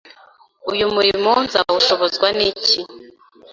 uyu murimo nzawushobozwa Niki